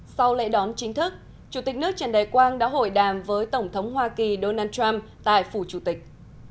sau lễ đón chính thức chủ tịch nước trần đại quang đã hội đàm với tổng thống hoa kỳ donald trump tại phủ chủ tịch